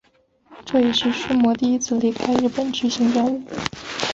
这也是须磨第一次离开日本执行任务。